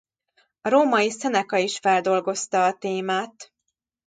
A római Seneca is feldolgozta a témát.